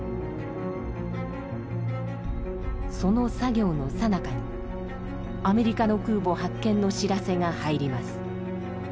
その作業のさなかに「アメリカの空母発見」の知らせが入ります。